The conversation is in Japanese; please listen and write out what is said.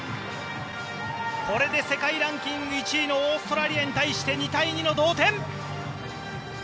これで世界ランキング１位のオーストラリアに対して２対２の同点！